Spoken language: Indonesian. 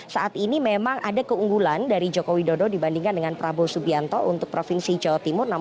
saat ini memang ada keunggulan dari joko widodo dibandingkan dengan prabowo subianto untuk provinsi jawa timur